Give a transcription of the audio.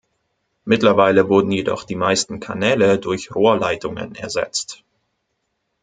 Mittlerweile wurden jedoch die meisten Kanäle durch Rohrleitungen ersetzt.